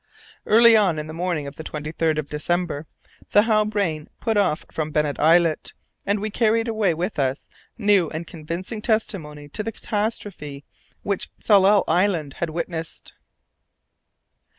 Early on the morning of the 23rd of December the Halbrane put off from Bennet Islet, and we carried away with us new and convincing testimony to the catastrophe which Tsalal Island had witnessed.